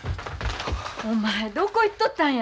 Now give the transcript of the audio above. お前どこ行っとったんや！